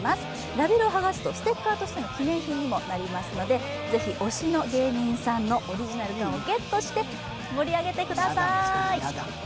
ラベルを剥がすとステッカーとして記念品にもなりますのでぜひ推しの芸人さんのオリジナル缶をゲットして盛り上げてください。